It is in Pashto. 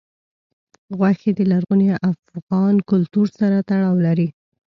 غوښې د لرغوني افغان کلتور سره تړاو لري.